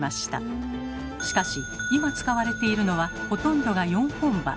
しかし今使われているのはほとんどが４本歯。